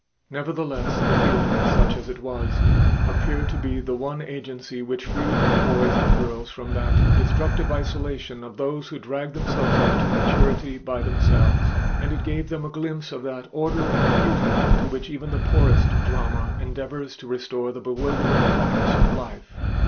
Nevertheless the theater, such as it was, appeared to be the one agency which freed the boys and girls from that destructive isolation of those who drag themselves up to maturity by themselves, and it gave them a glimpse of that order and beauty into which even the poorest drama endeavors to restore the bewildering facts of life.